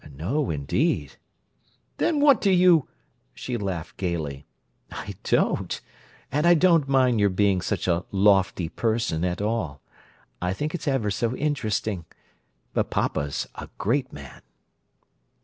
"No, indeed!" "Then what do you—" She laughed gaily. "I don't! And I don't mind your being such a lofty person at all. I think it's ever so interesting—but papa's a great man!"